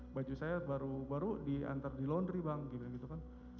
baju saya baru diantar di laundry bang gitu gitu kan